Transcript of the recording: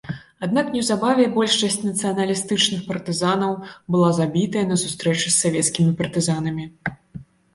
Аднак неўзабаве большасць нацыяналістычных партызанаў была забітая на сустрэчы з савецкімі партызанамі.